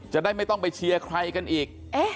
จะได้ไม่ต้องไปเชียร์ใครกันอีก